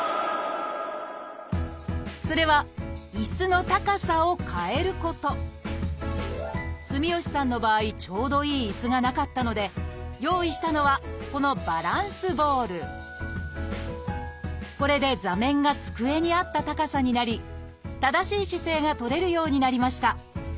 それは住吉さんの場合ちょうどいい椅子がなかったので用意したのはこのこれで座面が机に合った高さになり正しい姿勢がとれるようになりました。